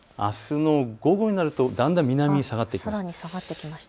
あすの午後になるとだんだん南に下がってきます。